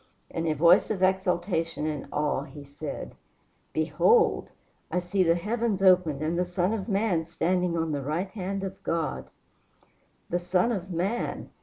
In a voice of exultation and awe he said: "Behold! I see the heavens opened and the Son of man standing on the right hand of God." The Son of man!